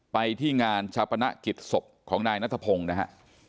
ไปที่งานชาปนกิจศพของนายนัทพงศ์นะฮะ